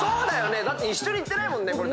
だって一緒に行ってないもんね。